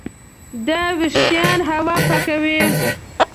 دا وېښتان هوا پاکوي.